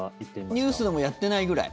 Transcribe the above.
ニュースでもやっていないぐらい？